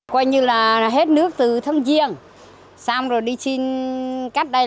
quay như là hết nước từ thâm giềng xong rồi đi xin cắt đây